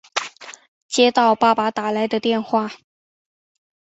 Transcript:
接到爸爸打来的电话